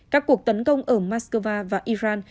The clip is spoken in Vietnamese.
các cuộc tấn công ở moscow và iran